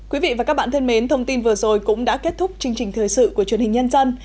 quý vị và các bạn thân mến thông tin vừa rồi cũng đã kết thúc chương trình thời sự của truyền hình nhân dân